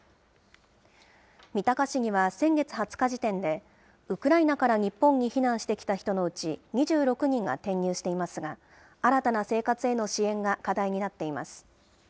三鷹市には先月２０日時点で、ウクライナから日本に避難してきた人のうち、２６人が転入していますが、新たな生活への支援が課題になっています。